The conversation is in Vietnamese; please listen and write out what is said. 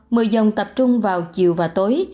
mưa dông tập trung vào chiều và tối